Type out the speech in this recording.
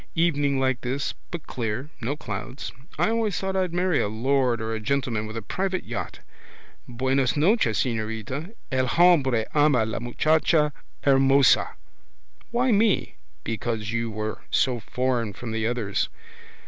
Evening like this, but clear, no clouds. I always thought I'd marry a lord or a rich gentleman coming with a private yacht. Buenas noches, señorita. El hombre ama la muchacha hermosa. Why me? Because you were so foreign from the others.